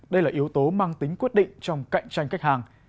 đây là yếu tố mang tính quyết định trong cạnh tranh khách hàng